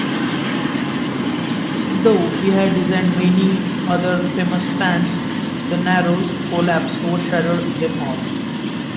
Though he had designed many other famous spans, the Narrows collapse overshadowed them all.